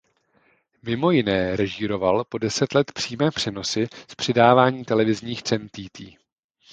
Mimo jiné režíroval po deset let přímé přenosy z předávání televizních cen TýTý.